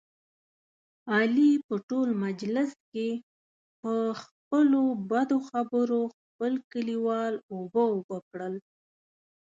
علي په ټول مجلس کې، په خپلو بدو خبرو خپل کلیوال اوبه اوبه کړل.